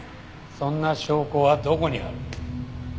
そんな証拠はどこにある？